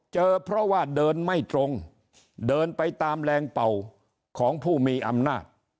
เจอเพราะว่าเดินไม่ตรงเดินไปตามแรงเป่าของผู้มีอำนาจ